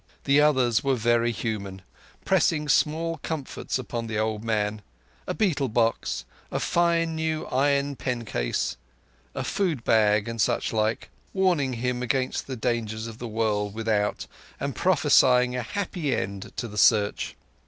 The others were very human; pressing small comforts upon the old man—a betel box, a fine new iron pencase, a food bag, and such like—warning him against the dangers of the world without, and prophesying a happy end to the Search.